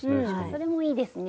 それもいいですね。